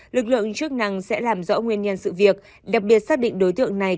lực lượng chức năng sẽ làm rõ nguyên nhân sự việc đặc biệt xác định đối tượng này